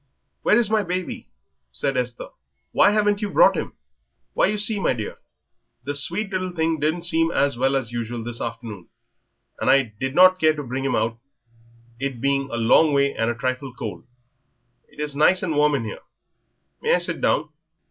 "Where is my baby?" said Esther. "Why haven't you brought him?" "Why, you see, my dear, the sweet little thing didn't seem as well as usual this afternoon, and I did not care to bring him out, it being a long way and a trifle cold.... It is nice and warm in here. May I sit down?"